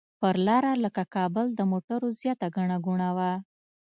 پر لاره لکه کابل د موټرو زیاته ګڼه ګوڼه وه.